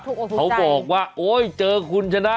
โถ่โถ่ใจเขาบอกว่าโอ๊ยเจอคุณชนะ